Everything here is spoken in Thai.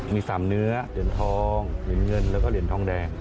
มี๓เนื้อเหรียญทองเหรียญเงินแล้วก็เหรียญทองแดง